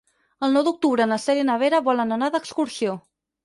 El nou d'octubre na Cèlia i na Vera volen anar d'excursió.